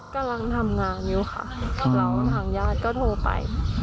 กำลังทำงานอยู่ค่ะแล้วทางญาติก็โทรไป